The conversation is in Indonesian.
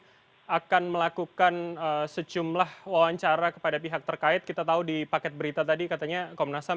mas saya ingin kembali pada soal komnas ham gitu masih akan melakukan secumlah wawancara kepada pihak terkait kita tahu di paket berita tadi katanya komnas ham